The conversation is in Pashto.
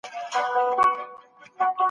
عبارت دي له هغو کلمو چي مانا لري.